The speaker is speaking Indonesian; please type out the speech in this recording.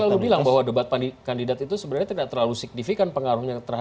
saya selalu bilang bahwa debat kandidat itu sebenarnya tidak terlalu signifikan pengaruhnya terhadap